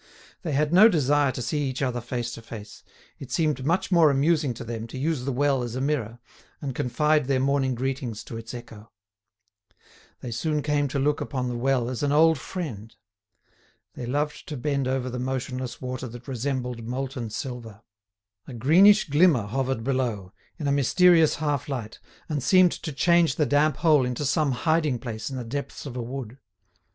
They had no desire to see each other face to face: it seemed much more amusing to them to use the well as a mirror, and confide their morning greetings to its echo. They soon came to look upon the well as an old friend. They loved to bend over the motionless water that resembled molten silver. A greenish glimmer hovered below, in a mysterious half light, and seemed to change the damp hole into some hiding place in the depths of a wood.